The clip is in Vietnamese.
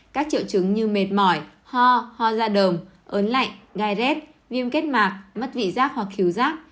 các triệu chứng như mệt mỏi ho ho da đồng ớn lạnh gai rét viêm kết mạc mất vị giác hoặc khiếu giác